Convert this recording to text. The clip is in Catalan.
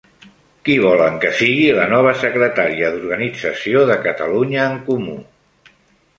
Qui volen que sigui la nova Secretaria d'Organització de Catalunya en Comú?